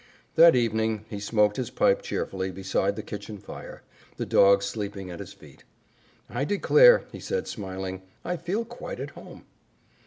That evening he smoked his pipe cheerfully beside the kitchen fire, the dog sleeping at his feet. "I declare," he said smilingly, "I feel quite at home."